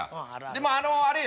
でもあのあれよ